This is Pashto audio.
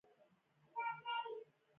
موږ د ګیځ په چای جلبۍ خورو.